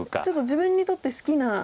ちょっと自分にとって好きな。